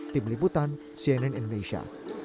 tim liputan cnn indonesia